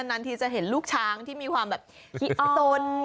ดันดันทีจะเห็นลูกช้างที่มีความแบบขี้อ่อน